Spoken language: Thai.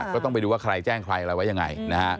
ก็ต้องไปดูว่าใครแจ้งใครอะไรไว้ยังไงนะฮะ